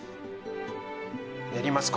やります